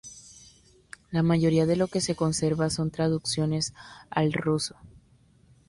La mayoría de lo que se conserva son traducciones al ruso.